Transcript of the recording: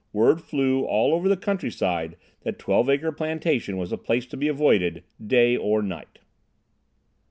Word flew all over the countryside that Twelve Acre Plantation was a place to be avoided, day or night.